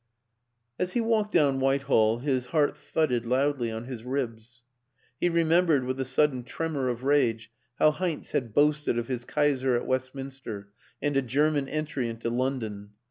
As he walked down Whitehall his heart thudded loudly on his ribs. He remembered, with a sud den tremor of rage, how Heinz had boasted of his Kaiser at Westminster and a German entry into London.